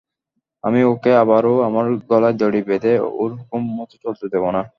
আমি ওকে আবারও আমার গলায় দড়ি বেঁধে ওর হুকুম মতো চলতে দেব না!